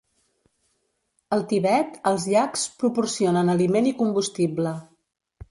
Al Tibet, els iacs proporcionen aliment i combustible.